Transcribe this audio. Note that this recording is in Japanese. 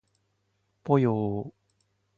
ぽよー